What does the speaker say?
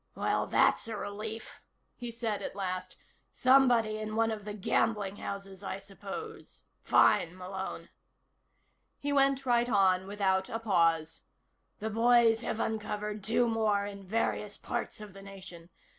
"Well, that's a relief," he said at last. "Somebody in one of the gambling houses, I suppose. Fine, Malone." He went right on without a pause: "The boys have uncovered two more in various parts of the nation.